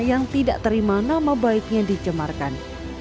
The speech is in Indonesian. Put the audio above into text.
yang tidak terima nama baiknya dicemarkan